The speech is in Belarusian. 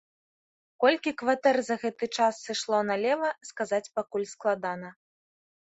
Колькі кватэр за гэты час сышло налева, сказаць пакуль складана.